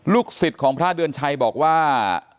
ลูกศิษย์ของพระเดือนชัยบอกว่า